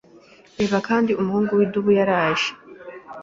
Reba kandi Umuhungu widubu yaraje